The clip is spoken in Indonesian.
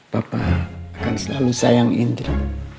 bapak akan selalu sayang indra